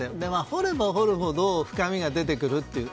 掘れば掘るほど深みが出てくるという。